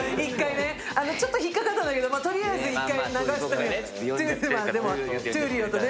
あのちょっと引っかかったんだけど、とりあえず１回流しとく。